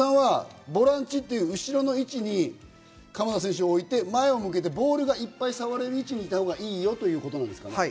でも前園さんはボランチという後の位置に鎌田選手を置いて前に向けてボールがいっぱい触れる位置にいたほうがいいよということですね。